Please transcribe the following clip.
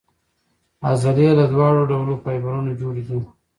عضلې له دواړو ډولو فایبرونو جوړې دي.